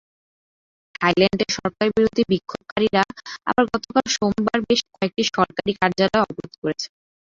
থাইল্যান্ডের সরকারবিরোধী বিক্ষোভকারীরা আবার গতকাল সোমবার বেশ কয়েকটি সরকারি কার্যালয় অবরোধ করেছেন।